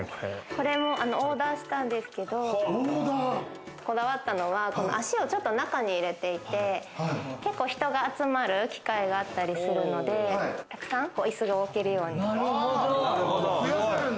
これもオーダーしたんですけど、こだわったのは脚をちょっと中に入れていて、結構、人が集まる機会があったりするので、たくさん椅子が置けるように。